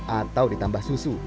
atau ditambah susu